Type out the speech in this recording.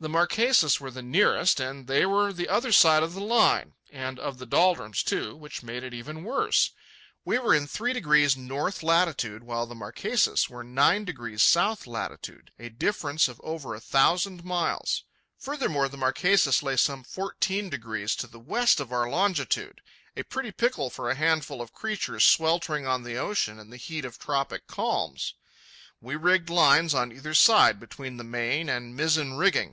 The Marquesas were the nearest, and they were the other side of the Line, and of the doldrums, too, which made it even worse. We were in 3° north latitude, while the Marquesas were 9° south latitude—a difference of over a thousand miles. Furthermore, the Marquesas lay some fourteen degrees to the west of our longitude. A pretty pickle for a handful of creatures sweltering on the ocean in the heat of tropic calms. We rigged lines on either side between the main and mizzen riggings.